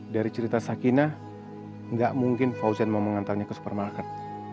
dari cerita sakina nggak mungkin fauzen mau mengantarnya ke supermarket